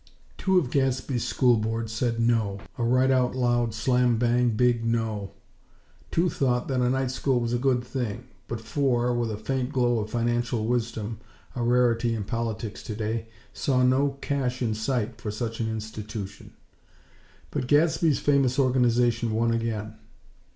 Two of Gadsby's School Board said "NO!!" A right out loud, slam bang big "NO!!" Two thought that a night school was a good thing; but four, with a faint glow of financial wisdom, (a rarity in politics, today!) saw no cash in sight for such an institution. But Gadsby's famous Organization won again!